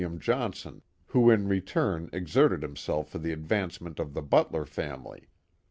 im Johnson, who in return exerted himself for the advance ment of the Butler family.